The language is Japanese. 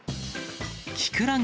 きくらげ